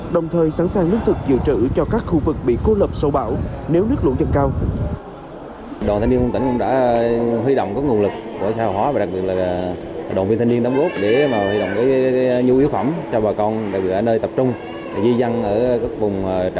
đồng thời sẵn sàng lương thực dự trữ cho các khu vực bị cô lập sâu bão